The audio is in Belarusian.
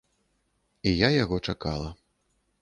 І я яго чакала.